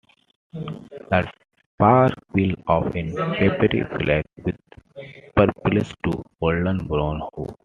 The bark peels off in papery flakes, with a purplish to golden brown hue.